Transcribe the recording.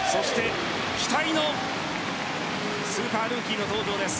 期待のスーパールーキーの登場です。